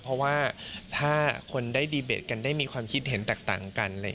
เพราะว่าถ้าคนได้ดีเบตกันได้มีความคิดเห็นแตกต่างกัน